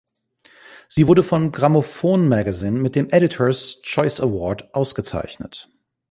Sie wurde vom Gramophone Magazine mit dem Editor’s Choice Award ausgezeichnet.